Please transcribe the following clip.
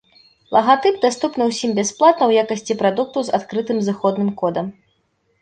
Лагатып даступны ўсім бясплатна ў якасці прадукту з адкрытым зыходным кодам.